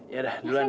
yaudah duluan ya